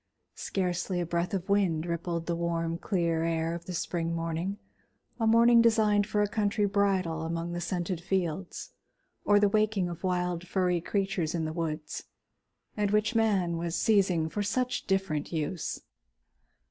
Scarcely a breath of wind rippled the warm clear air of the spring morning, a morning designed for a country bridal among the scented fields or the waking of wild furry creatures in the woods, and which man was seizing for such different use.